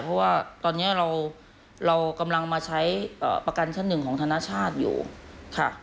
เพราะว่าตอนนี้เรากำลังมาใช้ประกันชั้นหนึ่งของธนชาติอยู่ค่ะ